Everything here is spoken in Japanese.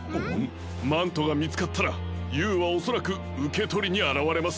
マントがみつかったらＵはおそらくうけとりにあらわれます。